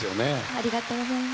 ありがとうございます。